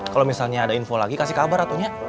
kalo misalnya ada info lagi kasih kabar atunya